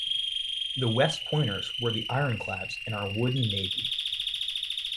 The West Pointers were the ironclads in our wooden navy.